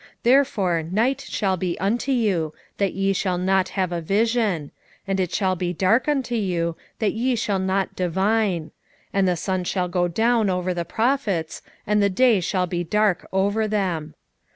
3:6 Therefore night shall be unto you, that ye shall not have a vision; and it shall be dark unto you, that ye shall not divine; and the sun shall go down over the prophets, and the day shall be dark over them.